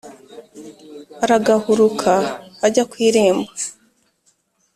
aragahuruka ajya ku irembo